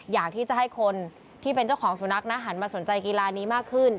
อยากที่จะให้คนที่เป็นเจ้าของสุนัขนะหันมาสนใจกีฬานี้มากขึ้น